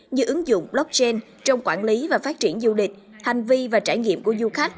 như ứng dụng blockchain trong quản lý và phát triển du lịch hành vi và trải nghiệm của du khách